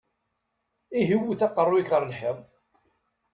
Ihi wwet aqeṛṛu-yik ɣer lḥiḍ!